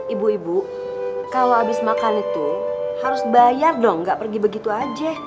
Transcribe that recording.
ibu ibu kalau habis makan itu harus bayar dong nggak pergi begitu aja